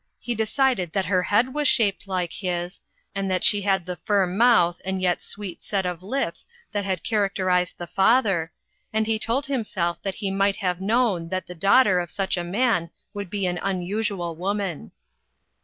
385 he decided that her head was shaped like his, and that she had the firm mouth and yet sweet set of lips that had character ized the father, and he told himself that he might have known that the daughter of such a man would be an unusual woman.